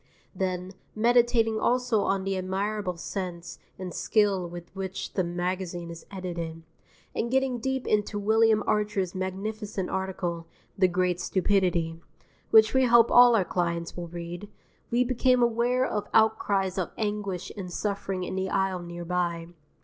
_" Then, meditating also on the admirable sense and skill with which the magazine is edited, and getting deep into William Archer's magnificent article "The Great Stupidity" (which we hope all our clients will read) we became aware of outcries of anguish and suffering in the aisle near by.